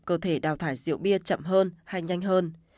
cơ thể đào thải rượu bia chậm hơn hay nhanh hơn